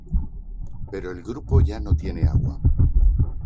Pero el grupo ya no tiene agua.